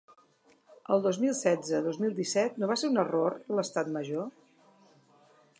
El dos mil setze, dos mil disset, no va ser un error l’estat major?